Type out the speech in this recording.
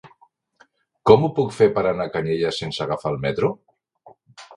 Com ho puc fer per anar a Canyelles sense agafar el metro?